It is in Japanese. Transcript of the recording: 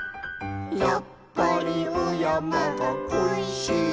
「やっぱりおやまがこいしいと」